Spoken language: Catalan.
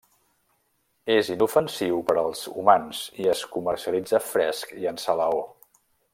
És inofensiu per als humans i es comercialitza fresc i en salaó.